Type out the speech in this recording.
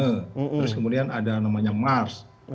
terus kemudian ada namanya mars